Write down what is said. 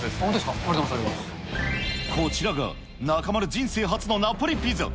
ありがとうござこちらが中丸人生初のナポリピザ。